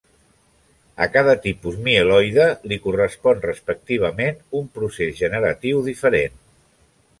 A cada tipus mieloide li correspon respectivament un procés generatiu diferent.